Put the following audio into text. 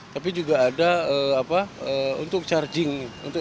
tapi juga ada untuk charging